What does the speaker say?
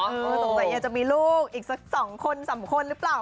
ใจเย็นจะมีลูกอีกสัก๒๓คนหรือเปล่า